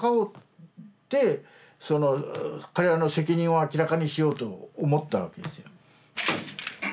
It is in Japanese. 彼らの責任を明らかにしようと思ったわけですよ。